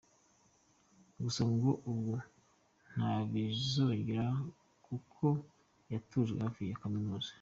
Gusa ngo ubu ntibizongera kuko yatujwe hafi ya kaminuza.